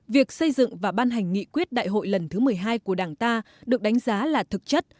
việc xây dựng và ban hành nghị quyết đại hội lần thứ một mươi hai của đảng ta được đánh giá là thực chất